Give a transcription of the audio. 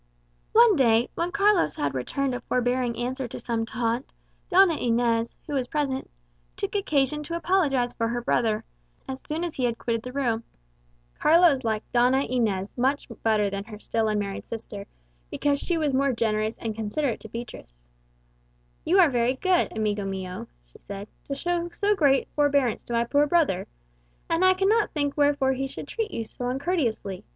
One day, when Carlos had returned a forbearing answer to some taunt, Doña Inez, who was present, took occasion to apologize for her brother, as soon as he had quitted the room. Carlos liked Doña Inez much better than her still unmarried sister, because she was more generous and considerate to Beatriz. "You are very good, amigo mio," she said, "to show so great forbearance to my poor brother. And I cannot think wherefore he should treat you so uncourteously.